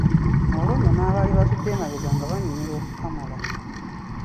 Olwo nno n'abaali batudde emabega nga banyumirwa okukamala.